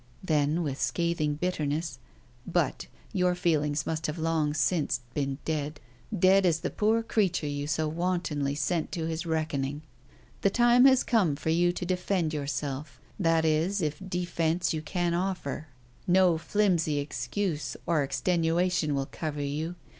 Then, with scathing bitterness: "But your feelings must have long since been dead dead as the poor creature you so wantonly sent to his reckoning. The time has come for you to defend yourself; that is, if defence you can offer. No flimsy excuse or extenuation will cover you.